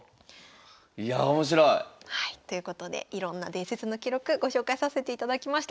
いや面白い！ということでいろんな伝説の記録ご紹介させていただきました。